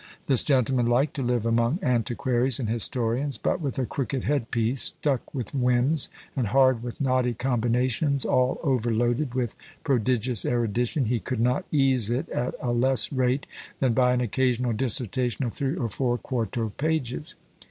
This gentleman liked to live among antiquaries and historians; but with a crooked headpiece, stuck with whims, and hard with knotty combinations, all overloaded with prodigious erudition, he could not ease it at a less rate than by an occasional dissertation of three or four quarto pages.